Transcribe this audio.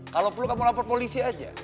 kalau perlu kamu lapor polisi aja